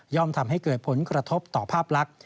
ทำให้เกิดผลกระทบต่อภาพลักษณ์